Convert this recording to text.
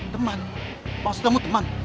temen masa kamu temen